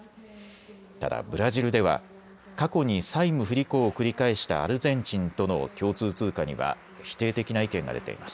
ただ、ブラジルでは過去に債務不履行を繰り返したアルゼンチンとの共通通貨には否定的な意見が出ています。